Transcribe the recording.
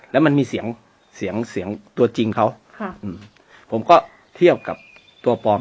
แล้วมันมีเสียงเสียงเสียงตัวจริงเขาค่ะอืมผมก็เทียบกับตัวปลอม